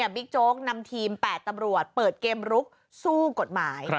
โจ๊กนำทีม๘ตำรวจเปิดเกมลุกสู้กฎหมาย